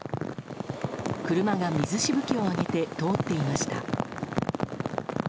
車が水しぶきを上げて通っていました。